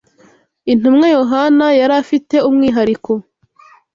Intumwa Yohana yari afite umwihariko